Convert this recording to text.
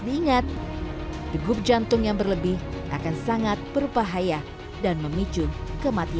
yang terjangkau dengar orang terkenal mengatakan kecil resiko penyebab ke properties